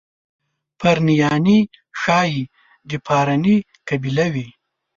پرنیاني ښایي د پارني قبیله وي.